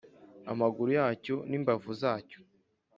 Amaguru yacyo n ‘imbavu zacyo.